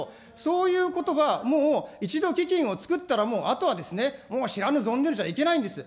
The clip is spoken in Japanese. そういうことはもう一度基金を作ったら、あとは知らぬ存ぜぬじゃいけないんです。